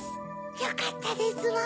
よかったですわ！